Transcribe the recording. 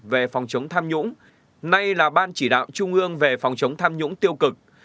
về phòng chống tham nhũng nay là ban chỉ đạo trung ương về phòng chống tham nhũng tiêu cực